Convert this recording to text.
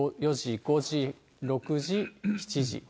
４時、５時、６時、７時。